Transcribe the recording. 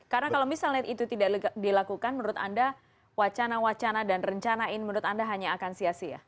karena kalau misalnya itu tidak dilakukan menurut anda wacana wacana dan rencanain menurut anda hanya akan sia sia